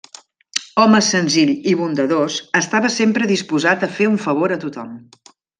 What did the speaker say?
Home senzill i bondadós, estava sempre disposat a fer un favor a tothom.